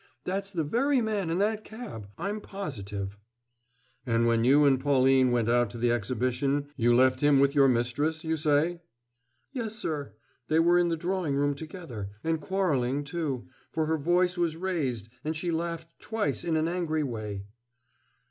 That's the very man in that cab, I'm positive." "And when you and Pauline went out to the Exhibition you left him with your mistress, you say?" "Yes, sir. They were in the drawing room together; and quarreling, too, for her voice was raised, and she laughed twice in an angry way."